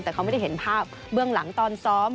แต่เขาไม่ได้เห็นภาพเบื้องหลังตอนซ้อม